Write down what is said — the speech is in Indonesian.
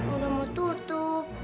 udah mau tutup